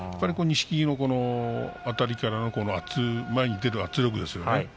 錦木のあたりからの前に出る圧力ですね。